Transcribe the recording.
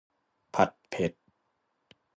ผัดเผ็ด